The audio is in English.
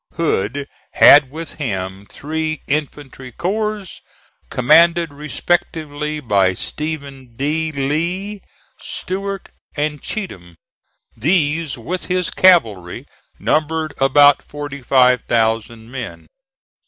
Hood had with him three infantry corps, commanded respectively by Stephen D. Lee, Stewart and Cheatham. These, with his cavalry, numbered about forty five thousand men.